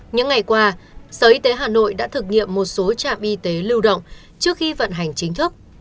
những ngày qua sở y tế hà nội đã thực nghiệm một số trạm y tế lưu động trước khi vận hành chính thức